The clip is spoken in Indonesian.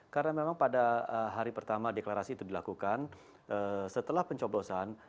karena memang pada hari pertama deklarasi itu dilakukan setelah pencoblosan